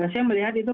saya melihat itu